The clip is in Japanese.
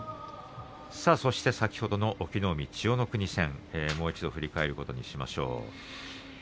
そして先ほどの隠岐の海千代の国戦もう一度、振り返ることにしましょう。